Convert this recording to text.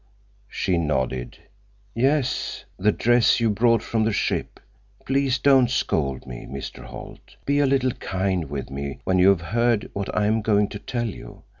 _" She nodded. "Yes, the dress you brought from the ship. Please don't scold me, Mr. Holt. Be a little kind with me when you have heard what I am going to tell you.